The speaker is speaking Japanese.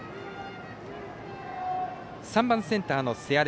３番センターの瀬谷。